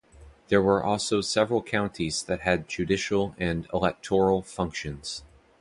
There were also several counties that had judicial and electoral functions.